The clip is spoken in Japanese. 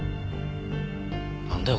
なんだよ？